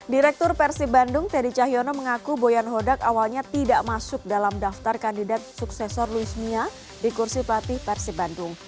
direktur persib bandung teddy cahyono mengaku boyan hodak awalnya tidak masuk dalam daftar kandidat suksesor luis mia di kursi pelatih persib bandung